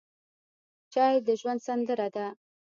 چای د ژوند سندره ده.